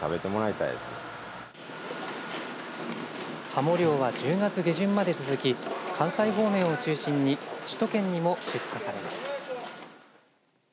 ハモ漁は、１０月下旬まで続き関西方面を中心に首都圏にも出荷されます。